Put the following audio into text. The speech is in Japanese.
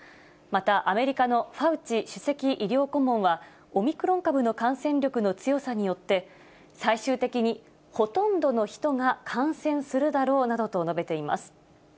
また、アメリカのファウチ首席医療顧問は、オミクロン株の感染力の強さによって、最終的にほとんどの人が感染するだろうなどと述べています。